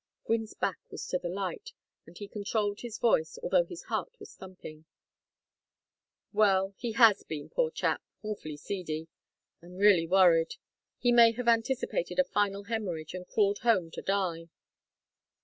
Gwynne's back was to the light, and he controlled his voice, although his heart was thumping. "Well, he has been, poor chap awfully seedy I am really worried. He may have anticipated a final hemorrhage, and crawled home to die."